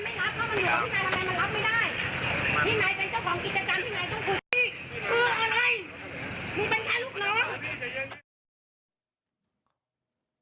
พี่นายเป็นเจ้าของกิจจันทร์พี่นายต้องขุบรุก